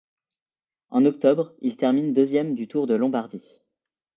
En octobre, il termine deuxième du Tour de Lombardie.